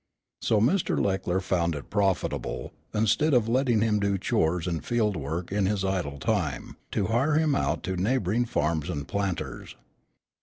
So Mr. Leckler found it profitable, instead of letting him do chores and field work in his idle time, to hire him out to neighboring farms and planters.